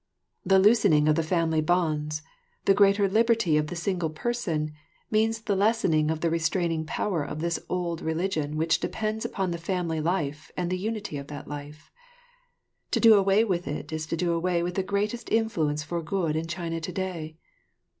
The loosening of the family bonds, the greater liberty of the single person, means the lessening of the restraining power of this old religion which depends upon the family life and the unity of that life. To do away with it is to do away with the greatest influence for good in China to day.